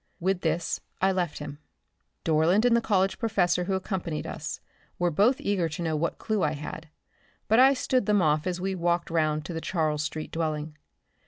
With this I left him. Dorland and the College professor who accompanied us were both eager to know what clue I had, but I stood them off as we walked round to the Charles street dwelling.